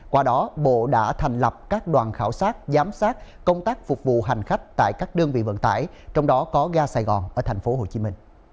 qua đó bộ đã thành lập các đoàn khảo sát giám sát công tác phục vụ hành khách tại các đơn vị vận tải trong đó có ga sài gòn ở tp hcm